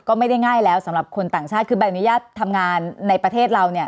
ก็ไม่ได้ง่ายแล้วสำหรับคนต่างชาติคือใบอนุญาตทำงานในประเทศเราเนี่ย